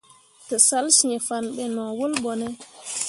Tǝsalsyiŋfanne be no wul ɓo ne.